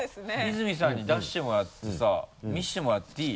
泉さんに出してもらってさ見せてもらっていい？